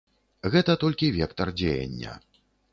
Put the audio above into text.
Гэта толькі вектар дзеяння.